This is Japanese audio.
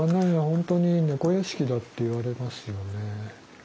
本当に猫屋敷だって言われますよね。